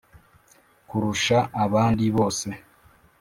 kurusha abandi bose,